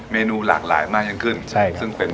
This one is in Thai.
เมนูหลากหลายมากยิ่งขึ้นใช่ซึ่งเป็น